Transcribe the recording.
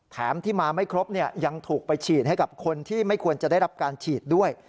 แถมที่มาไม่ครบยังถูกไปฉีดให้กับคนที่ไม่ควรจะได้รับการฉีดด้วย